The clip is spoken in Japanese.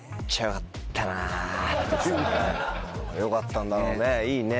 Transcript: よかったんだろうねいいね。